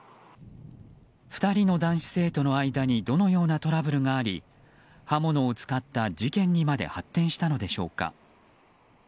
２人の男子生徒の間にどのようなトラブルがあり刃物を使った事件にまで発展したのでしょうか。